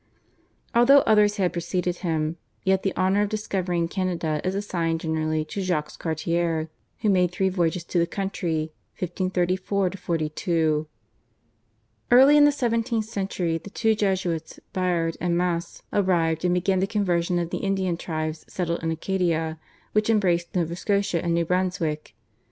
Although others had preceded him, yet the honour of discovering Canada is assigned generally to Jacques Cartier who made three voyages to the country (1534 42). Early in the seventeenth century the two Jesuits Biard and Masse arrived and began the conversion of the Indian tribes settled in Acadia, which embraced Nova Scotia and New Brunswick.